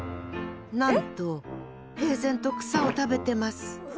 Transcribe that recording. なんと平然と草を食べてます。